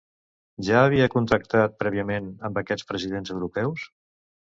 Ja havia contactat prèviament amb aquests presidents europeus?